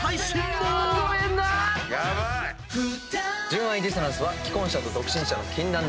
『純愛ディソナンス』は既婚者と独身者の禁断の恋。